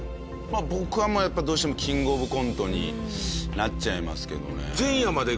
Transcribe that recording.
僕はやっぱどうしてもキングオブコントになっちゃいますけどね。